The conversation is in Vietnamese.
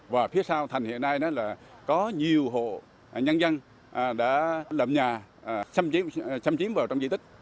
và phía sau thành hiện nay đó là có nhiều hộ nhân dân đã lập nhà xâm chiếm vào trong di tích